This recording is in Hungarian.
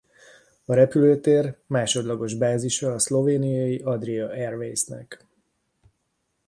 A repülőtér másodlagos bázisa a szlovéniai Adria Airwaysnek.